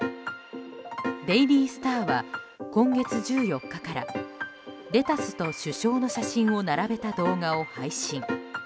デイリースターは今月１４日からレタスと首相の写真を並べた動画を配信。